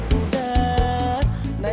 nanya mengucapkan aku